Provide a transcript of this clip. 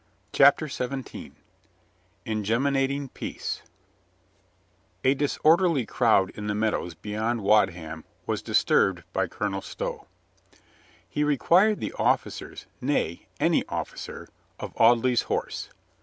CHAPTER SEVENTEEN INGEMINATING PEACE A DISORDERLY crowd in the meadows beyond "^^ Wadham was disturbed by Colonel Stow, He required the officers — nay, any officer — of Audley's Horse.